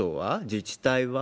自治体は？